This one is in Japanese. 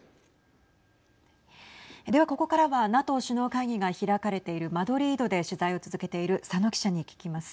では、ここからはＮＡＴＯ首脳会議が開かれているマドリードで取材を続けている佐野記者に聞きます。